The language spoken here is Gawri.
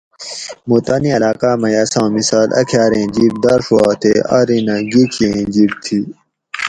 موں تانی علاقاۤ مئی اساں مثال اکھاۤریں جِب داڄوا تے آرینہ گیکھی ایں جِب تھی